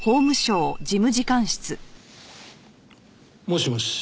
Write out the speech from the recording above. もしもし。